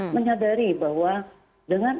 menyadari bahwa dengan